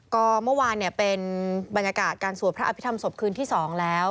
ก็เมื่อวานเป็นบรรยากาศการสวดพระอภิษฐรรศพคืนที่๒แล้ว